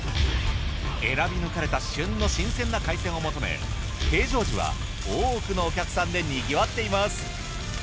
選び抜かれた旬の新鮮な海鮮を求め平常時は多くのお客さんでにぎわっています。